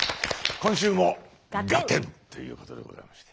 今週も「ガッテン！」ということでございまして。